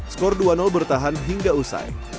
skor dua bertahan hingga usai